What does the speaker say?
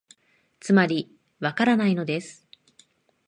つまり、わからないのです